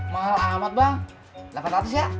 mahal amat bang delapan ratus ya